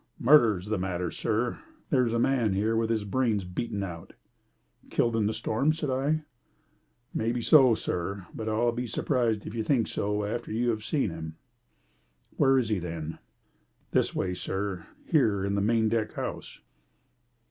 "Murder's the matter, sir. There's a man here with his brains beaten out." "Killed in the storm?" said I. "May be so, sir, but I'll be surprised if you think so after you have seen him." "Where is he, then?" "This way, sir; here in the maindeck house."